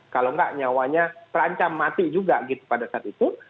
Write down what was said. kalau tidak nyawanya terancam mati juga pada saat itu